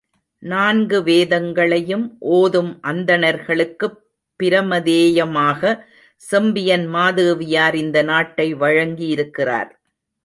நான்கு வேதங்களையும் ஓதும் அந்தணர்களுக்குப் பிரமதேயமாக, செம்பியன் மாதேவியார் இந்த நாட்டை வழங்கியிருக்கிறார்.